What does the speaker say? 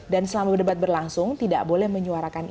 dan selama debat berlangsung tidak boleh menyuarakan istri